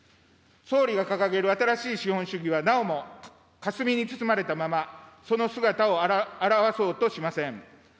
総理が掲げる新しい資本主義はなおもかすみに包まれたまま、その姿を現そうとしません。